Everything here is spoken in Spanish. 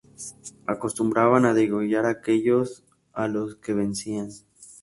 Acostumbraban a degollar a aquellos a los que vencían.